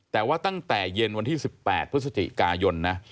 แต่ว่าตั้งแต่เย็นวันที่๑๘พฤศจิกายนนะ